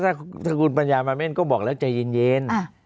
ถ้าคุณปัญญามาเม่นก็บอกแล้วใจเย็น